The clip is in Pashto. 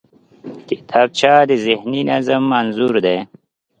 کتابچه د ذهني نظم انځور دی